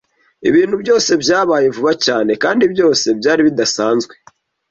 Ibintu byose byabaye vuba cyane kandi byose byari bidasanzwe.